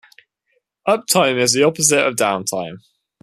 Uptime is the opposite of downtime.